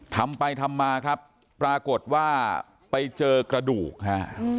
ทำไปทำมาครับปรากฏว่าไปเจอกระดูกฮะ